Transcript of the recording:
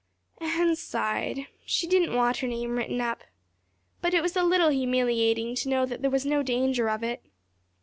Anne sighed. She didn't want her name written up. But it was a little humiliating to know that there was no danger of it.